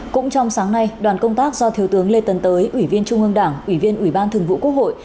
cũng trong sáng nay đoàn công tác do thiếu tướng lê tấn tới ủy viên trung ương đảng ủy viên ủy ban thường vụ quốc hội